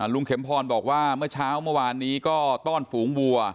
ลุงเข็มพรบอกว่าเมื่อเช้าเมื่อวานนี้ก็ต้อนฝูงวัว